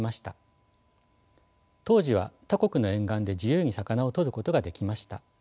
当時は他国の沿岸で自由に魚をとることができました。